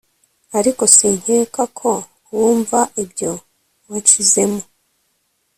ariko sinkeka ko wumva ibyo wanshizemo